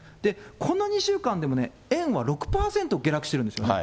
この２週間でも円は６％下落してるんですよね。